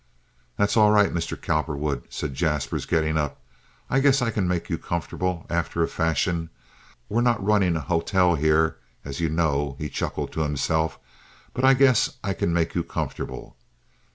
"That's all right, Mr. Cowperwood," said Jaspers, getting up. "I guess I can make you comfortable, after a fashion. We're not running a hotel here, as you know"—he chuckled to himself—"but I guess I can make you comfortable.